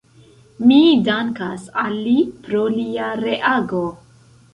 Mi dankas al li pro lia reago.